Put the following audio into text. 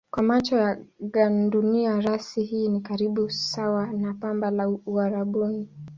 Kwa macho ya gandunia rasi hii ni karibu sawa na bamba la Uarabuni.